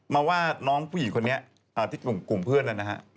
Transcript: มันว่าน้องผู้หญิงที่คุมเพื่อนนั้นนะครับ